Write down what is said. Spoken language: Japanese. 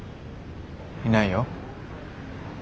いないよ。